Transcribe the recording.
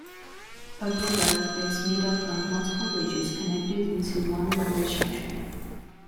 A viaduct is made up of multiple bridges connected into one longer structure.